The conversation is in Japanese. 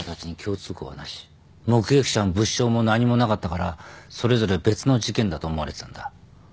目撃者も物証も何もなかったからそれぞれ別の事件だと思われてたんだ。